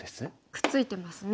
くっついてますね。